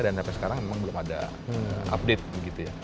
dan sampai sekarang memang belum ada update